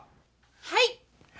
はい！